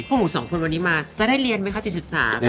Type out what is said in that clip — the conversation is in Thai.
พวกหนูสองคนวันนี้มาจะได้เรียนไหมคะ๗๓